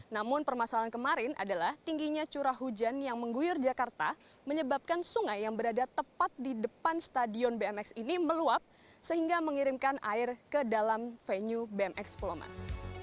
namun permasalahan kemarin adalah tingginya curah hujan yang mengguyur jakarta menyebabkan sungai yang berada tepat di depan stadion bmx ini meluap sehingga mengirimkan air ke dalam venue bmx pulau mas